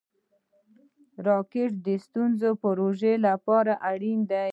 راکټ د ستوریزو پروژو لپاره اړین دی